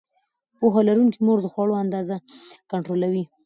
پوهه لرونکې مور د خوړو اندازه کنټرولوي.